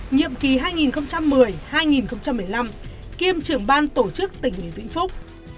nhiệm kỳ hai nghìn một mươi hai nghìn một mươi năm kiêm trưởng ban tổ chức tỉnh ủy vĩnh phúc